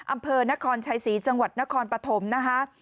อำเภอนครชัยศรีจังหวัดนครปฐมนะคะ